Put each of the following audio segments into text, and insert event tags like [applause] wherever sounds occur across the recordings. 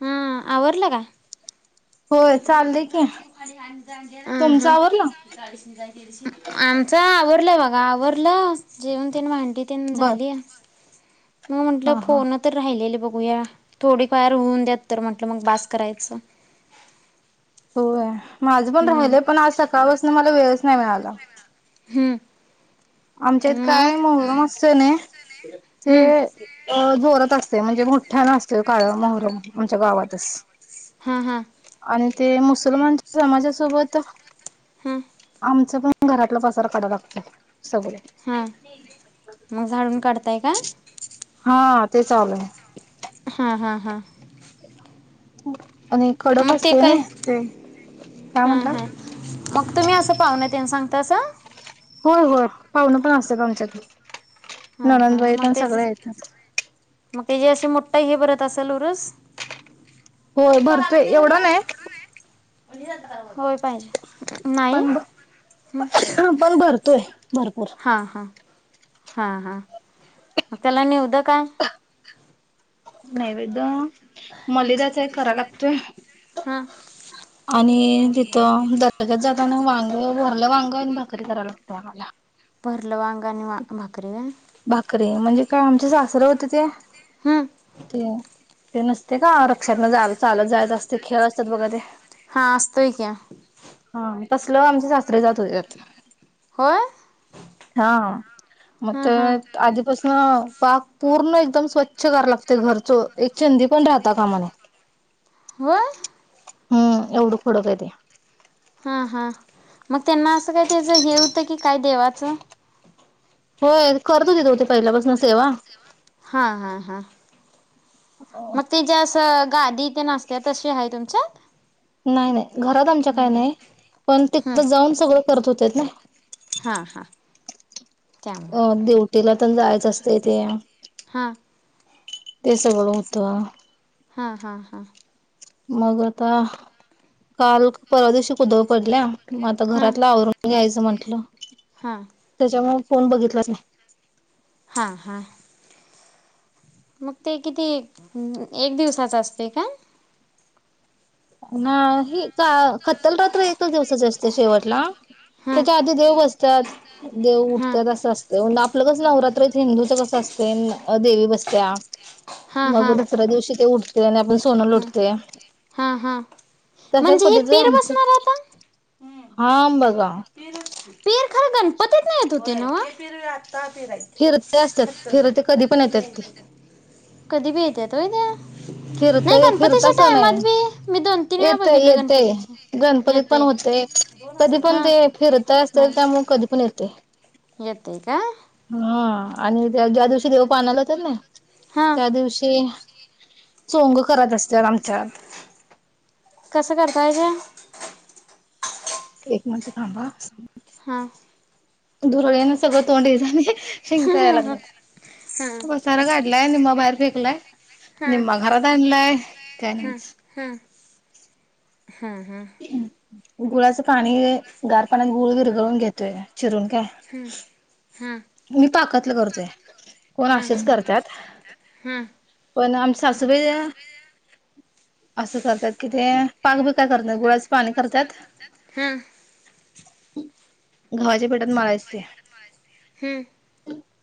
हा आवरलं का? होय ह चाललंय की तुमचं ह आवरलं [inaudible] आमच आवरलंय बघा आवरलं जेवन त्यांन भांडी ते बर झाली. मग म्हटलं हा हा फोन तर राहिलेले बघूया थोडी फार होऊन द्यात तर म्हंटलं मग बस करायचं. होय माझं पण हम्म राहिलंय पण आज सकाळपासून मला वेळच नाही मिळाला. हम्म आमच्यात मग काय मोहरम असत ना ते हम्म जोरात असते म्हणजे मोठठ्या न असते काळ मोहरम आमच्या गावातच हा हा [unintelligible] आणि ते मुसलमानच्या समाजासोबत हम्म आमचं पण घरातलं पसारा काढाव लागतंय सगळं हां मग झाडून काढताय का? हा तेच चावलय हा हा हा आणि खडक मग ते असते काय ना ते काय हा म्हणतात हा मग तुम्ही असं पाहून ते सांगता असं होय होय पाहुण पण असतात आमच्याकडे हा नणंद हा बाई येता मग आणि त्याचे सगळे येतात. मग का जे अशी मोठा हे बरत असेल उरुस [unintelligible] होय भरतोय एवढं नाही. होय पाहिजे. [inaudible] नाही पण पण भरतोय भरपूर [inaudible] हां हां हां हां म त्याला निवदं काय? नैवेद्य मलीदयाचा एक कराव लागतोय. हा [inaudible] जळगावन वांग, भरलं वांग आणि भाकरी कराय लागतय आम्हाला भरलं वांगं आणि भा भाकरी होय. भाकरीे, म्हणजे काय आमचे सासरं होते ते? ते ते नसतंय का? रिक्षातन जाय चालत जायचं असतय खेळ असतात बघा ते हां असतोय की. हा तसलं आमचे सासरे जात होत्यात. होय हा हा. हां हां तर आधीपासंन पाक पूर्ण एकदम स्वच्छ कराय लागतंय घरचं एक चिंदी पण राहता कामा नाही. होय? हम्म, एवढं कडक आहे ते. हा हां मग त्यांना असं काय? त्याच हे होतं की काय देवाचं? होय करत होतीत ओ ते पहिल्यापासून सेवा. हा हा हा. [unintelligible] मग ते त्याचीं असं गादी तेण असत्यात तशी हाय तुमच्यात? नाही नाही घरात आमच्या काय नाय, पण तिथं जाऊन सगळं करत होतेत नाही. हा हा. अ ड्युटीला तेच जायाच असतंय ते हां ते सगळं होतं. हा हा हा. मग आता, काल परवा दिवशी कुदळ पडलीया, मग आता हां घरातलं आवरून यायचं म्हंटलं. हां. त्याच्यामुळे फोन बघितलाच नाही. हा हा. मग ते किती एक दिवसाच असतंय काय? नाही का खत्तल रात्र एकच दिवसाची असतीय शेवटला हां त्याच्या आधी देव बसत्यात, देव हां उठतात असं असत तेण आपलं कसं नवरात्र हिंदूच कसं असतंय देवी बसतीया हां मग हां दुसऱ्या दिवशी ते उठतंय आणि आपण सोनं हां लूटतोय. हां हां. तशाचं म्हणजे हे पध्दतीचं पीर ह्यांचं, बसणार आता हाम बघा. पिर च की पिर खरं गणपतीतनं येत होती नव्हं? फिर आता फिरते असतात फिरते कधी पण येतात ते. कधी भी येत्यात वय ते? नाही फिरतय फिरता गणपतीच्या सण आहे टायमात बी? मी दोन तीन वेळा येतय बघितले येतय गणपतीचे गणपतीत पण येतय होतंय. हा. फिरत असतंय, त्यामुळं कधी पण येतंय. येतंय काय? हा आणि त्या ज्या दिवशी देव पाण्याला जातात नाही? हा त्या दिवशी चोंग करत असतात आमच्यात. कसं करत्याय ते? एक मिनिट थांबा ह. हां. धुरळ्यानं सगळं तोंड हे झालयं, हा शिंका हा यायला हा लागल्यात. हा पसारा काढलाय निम्मा बाहेर फेकलाय, हा निम्मा घरात आणलाय, काय नव्हचं. हम हम हम. गुळाचं पाणी, गार पाण्यात गुळ विरगळून घेतोय चिरून काय? हम् हां. मी पाकातलं करतोय, कोण हा हा असेच करत्यात. हा पण आमच्या सासूबाई असं करतात कि ते, पाक बीक काय करत नाहीत गुळाच पाणी करत्यात हां. घवाच्या पिटात मळायचं ते. हं.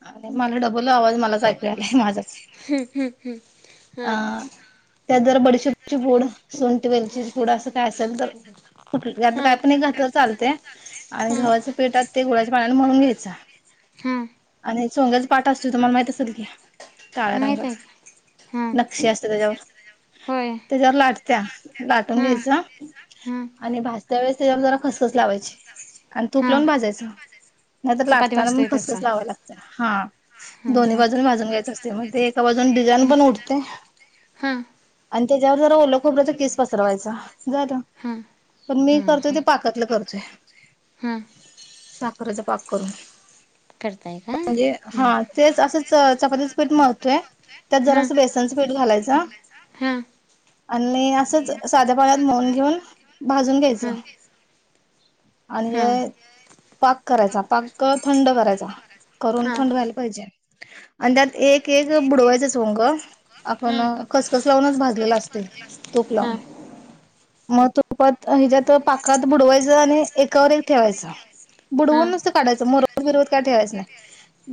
आणि मला डबल आवाज मलाच ऐकू यालाय माझाच, हं हं हं अ हां त्यात जरा बडिशेची पूड, सुंट वेलचीची पुडं, असं काय असेल तर कुठ यातल काय हां पण एक घातलं चालतय, आणि हां गव्हाच पिठात ते गुळाच्या पाण्यान मळून घ्यायच हां आणि चोंग्याचा पाट असतोय तुम्हाला माहित असेल की, काळ्या माहीत आहे रंगाचा. का हां नक्षी असते तेच्यावर. होय त्याच्यावर लाटत्या, लाटून हां घ्यायच हां आणि भाज त्यावेळेस तेज्यावर जरा खसखस लावायची, आणि तूप हां लावून भाजायचं, नाहीतर चपाती लाटताना मग भाजतोय तसा खसखस लावावी लागल्या, हां. हां दोन्ही हां बाजून भाजून घ्यायचं असतय, म ते एका बाजून डिझाईन पण उठतय हां. आणि तेज्यावर जरा ओलं खोबऱ्याचा किस पसरवायचा झाल. हां पण मी हां करतोय ते हां पाकातलं करतोय. हां साखरेचा पाक करून. करताय का म्हणजे हं हा तेच असं चपातीचं पीठ मळतोय त्यात हां जरास बेसनचं पीठ घालायचं हां आणि असंच साध्या पाण्यात मळून घेऊन भाजून घ्यायचं हां हां आणि पाक करायचा, पाक थंड करायचा, करून हां थंड व्हायला पाहिजे. आणि त्यात एक एक बुडवायचं चोंग आपण हां खसखस लावूनच भाजलेल असतं तूप हां लावून मग तुपात हेज्यात पाकात बुडवायचं आणि एकावर एक ठेवायचं. बुडवून हां नुसतं काढायचं मुरवतं बिरवतं काय ठेवायचं नाही.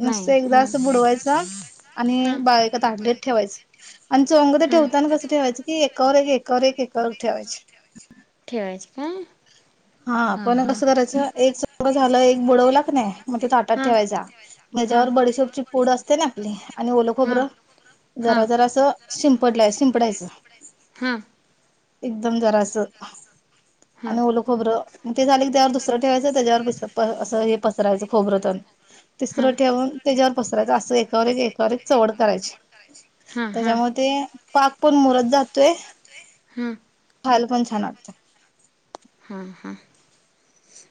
नुस्त नाही एकदा हां असं बुडवायचं आणि हां ब ऐका ताटलित ठेवायचं. आणि चोंग ते हां ठेवताना कस ठेवायचं की एकावर एकावर एकावर एक ठेवायचे. ठेवायचे काय? हा पण कसं करायचं? एक चोंगा झाला, एक बुडवला क नाय मग तो ताटात हा हा. ठेवायचा म हा हेज्यावर बडीशेपची पूड असत क नाय आपली आणि ओल हा खोबरं हा जरा जरा सं शिंपडल शिंपडायचं हा हा एकदम जरासं, आणि हा ओल खोबरं, ते झाल कि त्यावर दुसरं ठेवायचं त्याच्यावर असं हे पसरायचं खोबरं तेन तिसरं ठेवून तेच्यावर पसरायचं, असं एकावर एक एकावर एक चवड करायची. हा तेच्यामुळ ते पाक पण मुरत जातोय हा खायला पण छान वाटतं.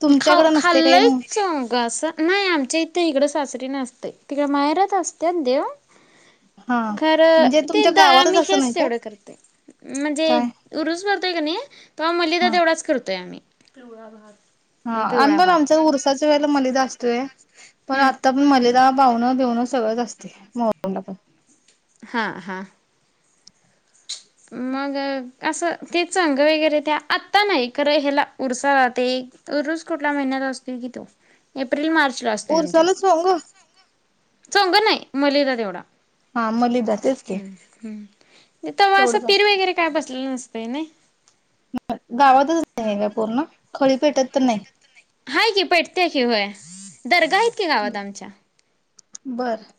तुमच्याकडे नसते काही खाल्लय मग चौंगा असं नाही आमच्या इथं इकडं सासरी नसतय, तिकडे माहेरात असतात देव. हा म्हणजे खरं ते तुमच्या द गावातच मी असं हेच नाही काय तेवढं करतोय. म्हणजे? काय उरुस भरतोय कि नाही तेव्हा मलिदा हा तेवढाच करतोय आम्ही. हा आणि पिवळा पण भात आमच्या उरसाच्या वेळेला मलदा असतोय. पण हम्म. आता ण मलेदा पावन बिवणं सगळंच असतंय. मोहरम ला पण. हा हा. मग असं तेच चंग वगैरे त्या आत्ता नाही खरं ह्याला उरसा ला ते उरूस कुठला महिन्यात असतील कि तो? एप्रिल मार्च ला असतो आमच्यात. उरसालाच हो ग चोगं नाही मलीदा तेवढा. हा मलदा तेच की. हम्म तवा असं तेवढंच पीर वगैरे असत काय बसलेलं नसतंय न‌इ. गावातच नाही काय पूर्ण? खळी पेटत तेन नाही. हाय की. पेटतेय की होय. दर्गा आहेत की गावात आमच्या. बरं.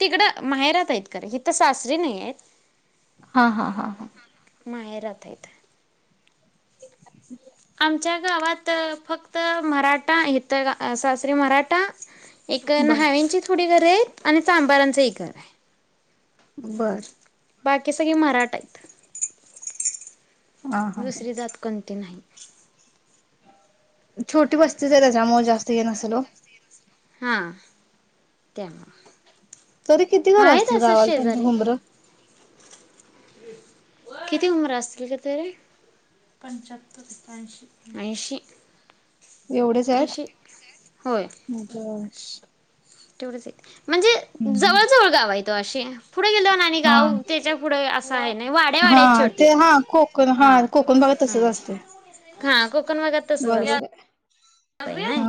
तिकडं माहेरात आहेत खरं हिकडं सासरी नाही आहेत. हा हा हा हा. माहेरात आहीत. [inaudible] आमच्या गावात फक्त मराठा इथ सासरी मराठा एक बर नवी्यांंची थोडी घरं आहेत आणि चांबारांचं एक घर आहे. बरं. बाकी सगळी मराठा आहेत. हा हा दुसरी जात कोणती नाही. छोटी बस्तीच त्याच्यामुळे जास्त ये नसल ओ. हां. त्यामुळ. तरी किती घर असतील गावाला तुमच्या शेजारी हुंबरं? किती उमर असतील तिथरे? पंचाहत्तरतऐंशी. ऐंशी. एवढेच आहेत. ऐंशी ब तेवढेच आहेत म्हणजे जवळ जवळ गाव आहेत ओ अशी. पुढे गेल आणि हा गाव त्याच्या पुढे असं आहे नाही वाड्या हा वाड्या छोटी. ते हा कोकण हा. कोकण भागात हा तसंच असतंय. हा. कोकण भागात तसंच असतंय नही. हा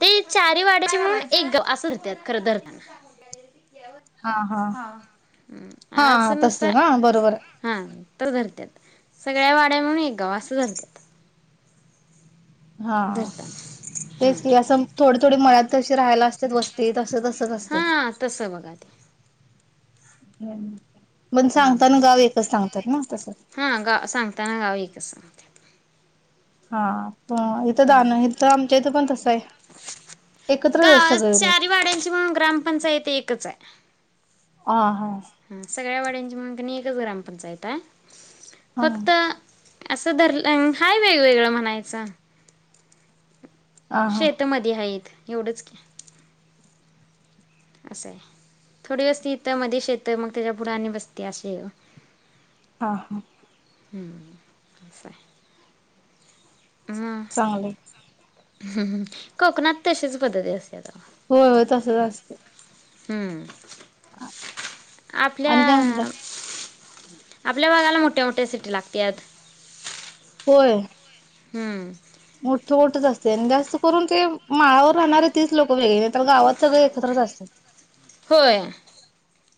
ते चार वाड्याचे मिळून एक गाव असंच धरतात खरं धरताना. हा हा. हा तस ना बरोबर आहे. हां. तर धरत्यात. सगळ्या वाड्या म्हणून एक गाव असं धरतात. हा. धरताना तेच की हम्म असं थोडे थोडे मल्यात तशी राहायला असतात वस्ती त तच असते. हा तसं बघा ते हम्. पण सांगत ना गाव एकच सांगतात ना तसं. हा गा सांगताना गाव एकच सांगतात. हा प इथं दण इथं आमच्या इथं पण तसं आहे. एकत्रच आहेत गा सगळे लोक चारी वाड्यांची मिळून ग्रामपंचायत एकच आहे. ह हा. ह. सगळ्या वाड्यांची मिळून कणी एकच ग्राम पंचायत हाय हा फक्त असं धरलं हाय वेगवेगळं म्हणायचं. हा हा शेतमध्ये आहे आहेत एवढंच की. असंय आहे थोडी वस्तीत मध्ये शेत मग त्याच्या पुढं आणि बस्ती असं हाय. हा हा हम्म अहम्म चांगलय हम्म हम् कोकणात तशीच पद्धती असत्याता. होय होय तसंच असते. हम्म हा [inaudible] आपल्या, आपल्या भागाला मोठ्या मोठ्या सिटी लागत्यात. होय. हम्म मोठं मोठंच असंतय आणि जास्त करून ते माळावर राहणारे तेच लोक वेगळे नाही तर गावात सगळे एकत्रच असतात. होय.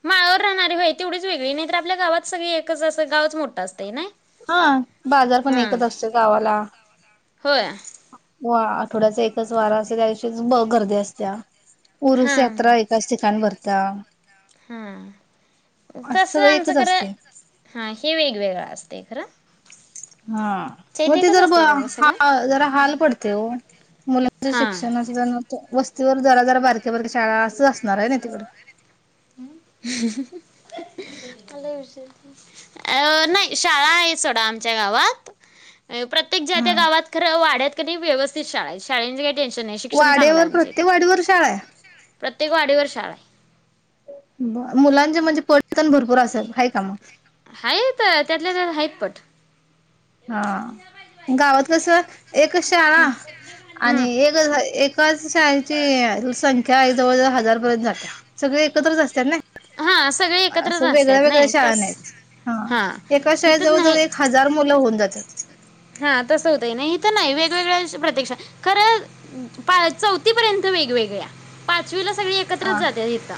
माळावर राहणारी व्हय तेवढीच वेगळी नाहीतर आपल्या गावात सगळी एकच असं गावच मोठं असतय नाही. हा बाजार पण हां एकच असतोय गावाला. होय वा आठवड्याचा एकच वार असतोय, त्या दिवशीच ब गर्दी असत्या ऊरुस हां यात्रा येत. त्याच ठिकाणी भरत्या. हा असं तसं सगळं आमचं एकच खरं असते हा हे वेगवेगळं असतय खरं. हा च्या म इथं ते एकच जर असतंय का गं सगळं? हा जरा हाल पडतंय ओ मुलांच्या हां शिक्षणाच [unintelligible] वस्तीवर जरा, जरा बारक्या बारक्या शाळा असचं असणार आहे ना तिकडं. [unintelligible] मग काय विषय. अं नाही शाळा आहे सोडा आमच्या गावात. अ प्रत्येक ज्या हा त्या गावात खरं वाड्यात कने व्यवस्थित शाळा हाय, शाळेचें काय वाड्यावर प्रत्येक वाडीवर शाळा हाय. प्रत्येक वाडीवर शाळा हाय. ब मुलांचे म्हणजे पट पण भरपूर असलं आहे का मग? हायीत त्यातल्या त्यात हायीत पट हा गावात कसं एक शाळा आणि हं. एक कसं हाय एकाच शाळेची संख्या जवळ जवळ हजारपर्यंत जात्या. सगळे एकत्रच असत्यात नाही. हां सगळे एकत्रच असं वेगळ्या असतात वेगळ्या नाही शाळा तस नाहीच. हा हां. एका शाळेत हिथं जवळ नाही जवळ एक हजार मुलं होऊन जात्यात. हा तसं होतय नाही हित नाही, वेगवेगळ्या प्रत्येक शाळा खरं पा, चौथी पर्यंत वेगवेगळ्या, पाचवीला सगळी हा एकत्रच जात्यात हितं.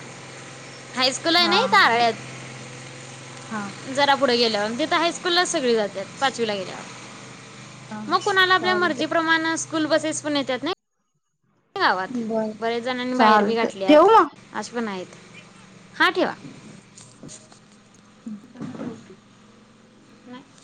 हा हा हा जरा पुढं गेल्यावर तिथं हायस्कूललाच सगळी जात्यात पाचवीला गेल्यावर हा मग कुणाला आपल्या चालते मर्जी प्रमाणं स्कूल बसेस पण येत्यात नाही. गावात बर बऱ्याच जणांनी बाहेर बी चालते ठेवू घातल्यात मग आशें पण आहेत हा ठेवा. [inaudible] नाही.